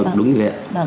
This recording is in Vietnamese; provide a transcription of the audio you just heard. vâng đúng vậy